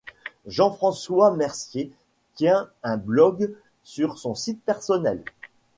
Jean-François Mercier tient un blogue sur son site personnel.